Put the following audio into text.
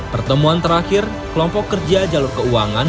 pertemuan terakhir kelompok kerja jalur keuangan